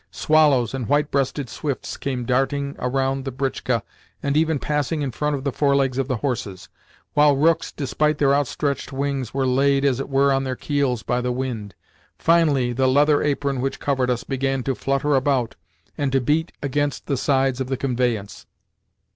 Swallows and white breasted swifts came darting around the britchka and even passing in front of the forelegs of the horses. While rooks, despite their outstretched wings, were laid, as it were, on their keels by the wind. Finally, the leather apron which covered us began to flutter about and to beat against the sides of the conveyance.